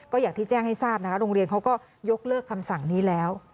ก็อย่างที่แจ้งให้ทราบนะคะโรงเรียนเขาก็ยกเลิกคำสั่งนี้แล้ว